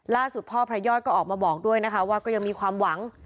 พ่อพระยอดก็ออกมาบอกด้วยนะคะว่าก็ยังมีความหวัง